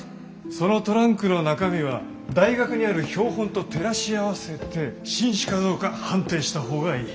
そのトランクの中身は大学にある標本と照らし合わせて新種かどうか判定した方がいい。